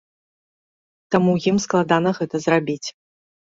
Таму ім складана гэта зрабіць.